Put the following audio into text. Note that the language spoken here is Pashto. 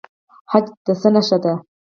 حج د څه نښه ده؟